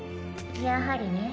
やはりね。